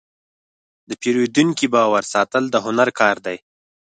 د پیرودونکي باور ساتل د هنر کار دی.